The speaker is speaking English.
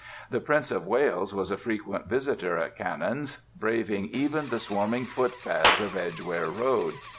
The Prince of Wales was a frequent visitor at Cannons, braving even the swarming footpads of Edgware Road.